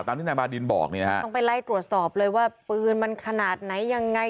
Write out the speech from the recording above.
ติดตามดินบอกนะครับไปไล่ตรวจสอบเลยว่ามันขนาดไหนยังไง